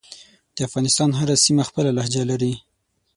دافغانستان هره سیمه خپله لهجه لری